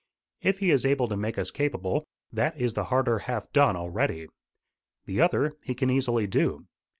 If he is able to make us capable, that is the harder half done already. The other he can easily do.